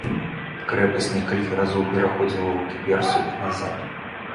Крэпасць некалькі разоў пераходзіла ў рукі персаў і назад.